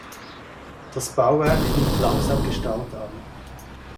Das Bauwerk nimmt langsam Gestalt an.